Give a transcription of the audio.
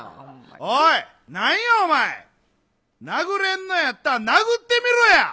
おい、何やお前、殴れるなら殴ってみろや！